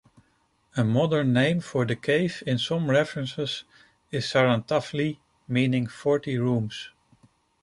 A modern name for the cave in some references is "Sarantavli", meaning "forty rooms".